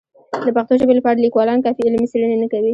د پښتو ژبې لپاره لیکوالان کافي علمي څېړنې نه کوي.